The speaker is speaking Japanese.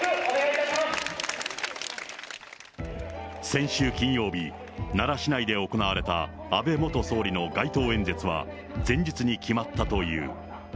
先週金曜日、奈良市内で行われた安倍元総理の街頭演説は、前日に決まったという。